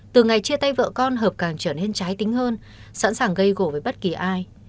từ ngày chia tay vợ con hợp càng trở nên trái tính hơn sẵn sàng gây gỗ với bất kỳ ai